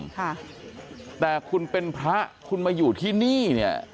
ค่ะแต่คุณเป็นพระคุณมาอยู่ที่นี่เนี่ย